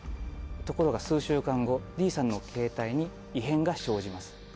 ところが数週間後Ｄさんのケータイに異変が生じます。